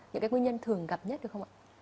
những cái nguyên nhân thường gặp nhất được không ạ